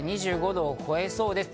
２５度を超えそうです。